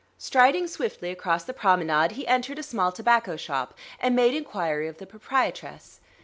Striding swiftly across the promenade, he entered a small tobacco shop and made inquiry of the proprietress.